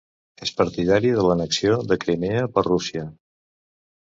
És partidari de l'annexió de Crimea per Rússia.